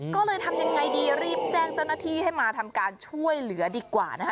ก็เลยทำยังไงดีรีบแจ้งเจ้าหน้าที่ให้มาทำการช่วยเหลือดีกว่านะคะ